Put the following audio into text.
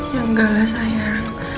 ya enggak lah sayang